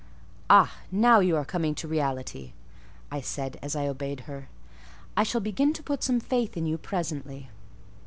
"Ah! now you are coming to reality," I said, as I obeyed her. "I shall begin to put some faith in you presently."